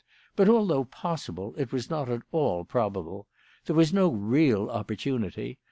But, although possible, it was not at all probable. There was no real opportunity.